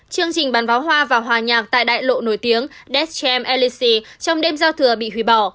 chương trình bán váo hoa và hòa nhạc tại đại lộ nổi tiếng deschamps elysée trong đêm giao thừa bị hủy bỏ